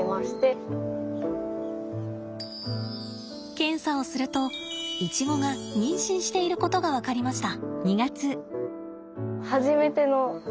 検査をするとイチゴが妊娠していることが分かりました。